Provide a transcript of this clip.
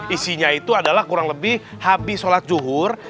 isinya itu adalah kurang lebih habis sholat zuhur